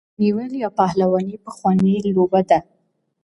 غیږ نیول یا پهلواني پخوانۍ لوبه ده.